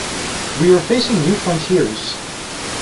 We are facing new frontiers.